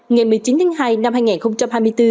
ngày một mươi chín tháng hai năm hai nghìn hai mươi bốn